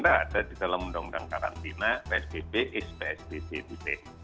tidak ada di dalam undang undang karantina psbb is psbb